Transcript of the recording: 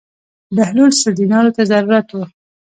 بهلول سل دینارو ته ضرورت و.